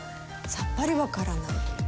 さっぱりわからない。